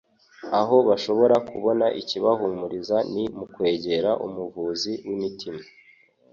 Aho bashobora kubona ikibahumuriza ni mu kwegera Umuvuzi w'imitima.